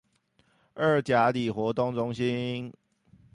二甲里活動中心